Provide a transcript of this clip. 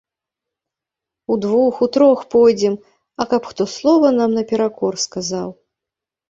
Удвух, утрох пойдзем, а каб хто слова нам наперакор сказаў.